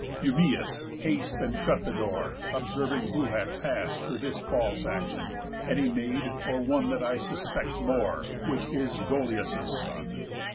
Eumæus! Haste And shut the door, observing who hath past To this false action; any maid, or one That I suspect more, which is Dolius' son."